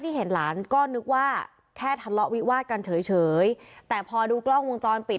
เห็นหลานก็นึกว่าแค่ทะเลาะวิวาดกันเฉยเฉยแต่พอดูกล้องวงจรปิด